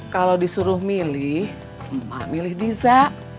kalau disuruh milih emak milih deza